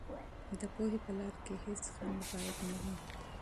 د پوهې په لار کې هېڅ خنډ باید نه وي.